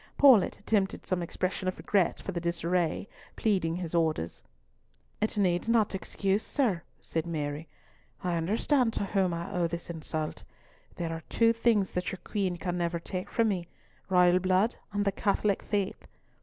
Paulett attempted some expression of regret for the disarray, pleading his orders. "It needs not excuse, sir," said Mary, "I understand to whom I owe this insult. There are two things that your Queen can never take from me—royal blood and the Catholic faith.